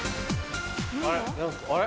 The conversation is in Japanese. あれ？